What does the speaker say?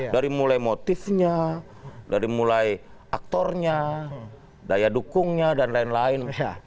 dari mulai motifnya dari mulai aktornya daya dukungnya dan lain lain